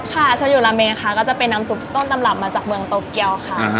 ชาชอยูราเมงค่ะก็จะเป็นน้ำสุปต้นตำหลับมาจากเมืองโตเกียวค่ะอ่าฮน